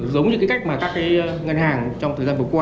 giống như cái cách mà các cái ngân hàng trong thời gian vừa qua